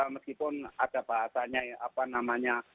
meskipun agak babaran nya apa namanya